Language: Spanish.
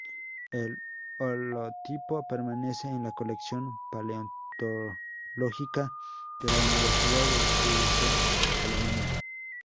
El holotipo permanece en la colección paleontológica de la Universidad de Tübingen, Alemania.